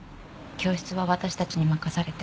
教室は私たちに任されて。